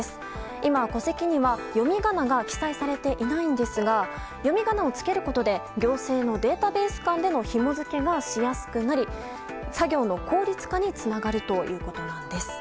今、戸籍には読み仮名が記載されていないんですが読み仮名をつけることで行政のデータベース間でのひも付けがしやすくなり作業の効率化につながるということなんです。